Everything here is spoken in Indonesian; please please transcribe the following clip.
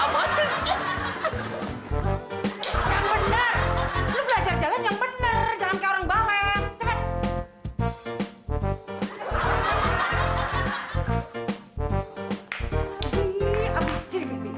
bener bener jangan ke orang balet